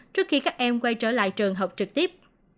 trước khi các em quay trở lại trường học trực tiếp